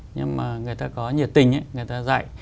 nhưng mà người ta có nhiệt tình người ta dạy